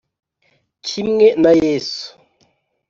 Kimwe na Yesu